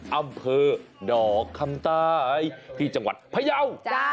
อำเภอดอกคำใต้ที่จังหวัดพยาว